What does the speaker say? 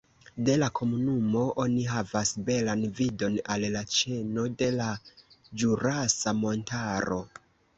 De la komunumo oni havas belan vidon al la ĉeno de la Ĵurasa Montaro.